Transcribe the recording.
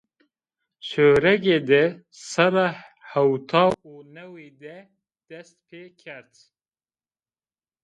Sêwregi de serra hewtay û newî de dest pêkerd